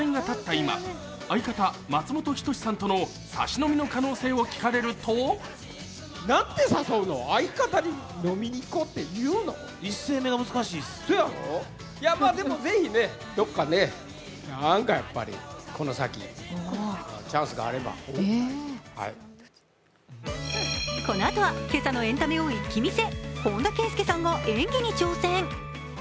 今、相方・松本人志さんとのサシ飲みの可能性を聞かれるとこのあとは今朝のエンタメを一気見せ！